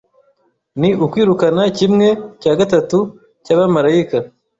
ni ukwirukana kimwe cya gatatu cyabamarayika